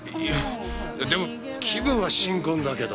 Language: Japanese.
いやでも気分は新婚だけど。